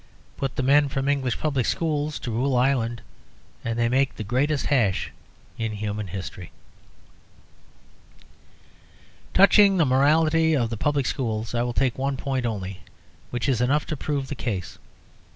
Put the men from English public schools to rule Ireland, and they make the greatest hash in human history. Touching the morality of the public schools, I will take one point only, which is enough to prove the case.